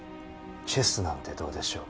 チェスなんてどうでしょう？